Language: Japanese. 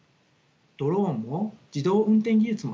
ドローンも自動運転技術もそうでした。